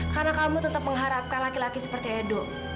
karena kamu tetap mengharapkan laki laki seperti edo